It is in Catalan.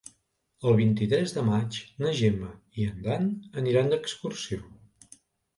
El vint-i-tres de maig na Gemma i en Dan aniran d'excursió.